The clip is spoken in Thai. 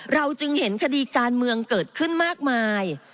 เราจึงเห็นคดีการเมืองเกิดขึ้นมากมาย